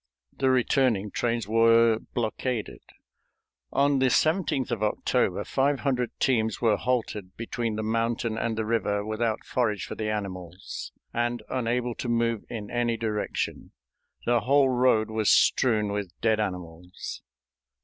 The returning trains were blockaded. On the 17th of October five hundred teams were halted between the mountain and the river without forage for the animals, and unable to move in any direction; the whole road was strewn with dead animals.